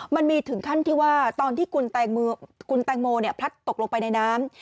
มันมีถึงขั้นที่ว่าตอนที่คุณแตงโมพลัดตกลงไปในน้ำ